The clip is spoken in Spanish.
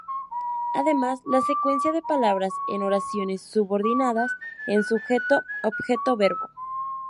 Además, la secuencia de palabras en oraciones subordinadas es Sujeto Objeto Verbo.